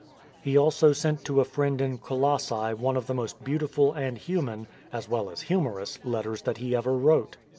He also sent to a friend in Colossse one of the most beautiful and human — as well as humorous — letters that he ever wrote.